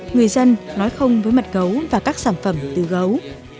người dân nói không với mật gấu và các sản phẩm từ gấu